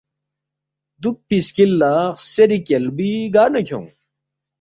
دُوکپی سکِل لہ خسیری کیالبُوی گار نہ کھیونگ؟“